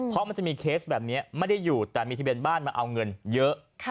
เพราะมันจะมีเคสแบบนี้ไม่ได้อยู่แต่มีทะเบียนบ้านมาเอาเงินเยอะ